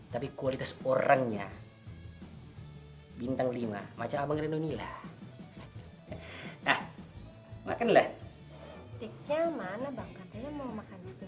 tapi kualitas orangnya bintang lima macam abang rendo nila nah makanlah